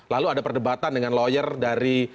lalu ada perdebatan dengan lawyer dari